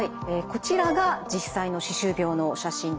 こちらが実際の歯周病の写真です。